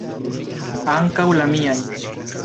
Ankaŭ la miaj!